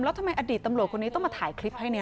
แล้วทำไมอดีตตำรวจคนนี้ต้องมาถ่ายคลิปให้เนี่ย